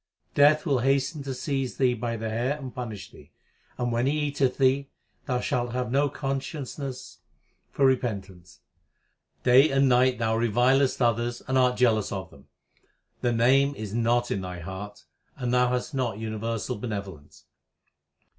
Death will hasten to seize thee by the hair and punish thee ; and, when he eateth thee, thou shalt have no con sciousness for repentance. Day and night thou revilest others and art jealous of them ; the Name is not in thy heart, and thou hast not universal benevolence.